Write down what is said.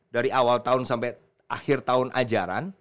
dari awal tahun sampai akhir tahun ajaran